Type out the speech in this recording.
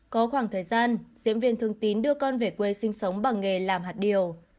có khoảng thời gian diễn viên thường tín đưa con về quê sinh sống bằng nghề làm hạt điều